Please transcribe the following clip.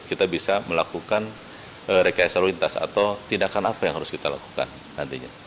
kita bisa melakukan rekayasa lalu lintas atau tindakan apa yang harus kita lakukan nantinya